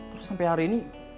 terus sampai hari ini